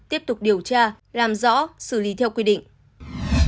tiếp tục điều tra làm rõ xử lý theo quy định